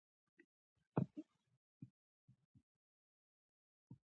پسه د افغانستان د چاپیریال د مدیریت لپاره مهم دي.